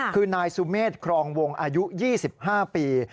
คือนายสุเมฆครองวงอายุ๒๕ปี